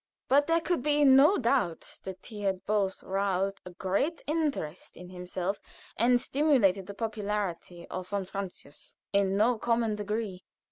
But there could be no doubt that he had both roused a great interest in himself and stimulated the popularity of von Francius in no common degree.